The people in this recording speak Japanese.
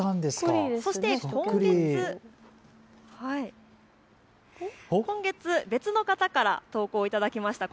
そして今月、別の方から投稿を頂きました。